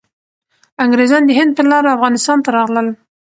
انګریزان د هند په لاره افغانستان ته راغلل.